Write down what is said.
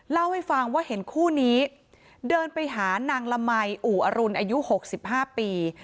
เล่าให้ฟังว่าเห็นคู่นี้เดินไปหานางละมัยอู่อรุณอายุ๖๕ปี